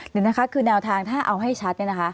เดี๋ยวนะคะคือแนวทางถ้าเอาให้ชัด